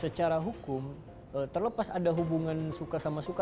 secara hukum terlepas ada hubungan suka sama suka